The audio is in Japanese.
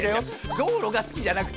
道路が好きじゃなくて。